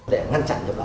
để ngăn chặn nhập khẩu ấm